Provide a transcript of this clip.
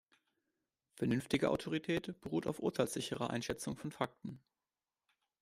Vernünftige Autorität beruht auf urteilssicherer Einschätzung von Fakten.